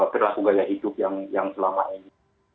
perilaku gaya hidup yang selama ini